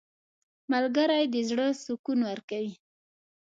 • ملګری د زړه سکون ورکوي.